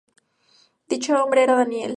Dicho hombre era Daniel.